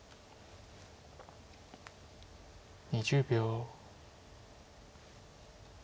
２０秒。